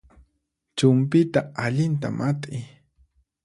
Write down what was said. Chumpyta allinta mat'iy